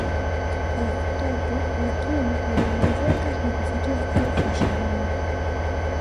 Elfu tatu lakini walioongezeka na kufikia elfu ishirini